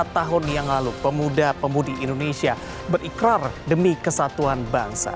empat tahun yang lalu pemuda pemudi indonesia berikrar demi kesatuan bangsa